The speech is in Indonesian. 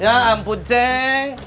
ya ampun ceng